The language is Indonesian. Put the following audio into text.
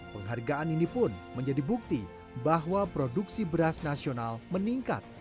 penghargaan ini pun menjadi bukti bahwa produksi beras nasional meningkat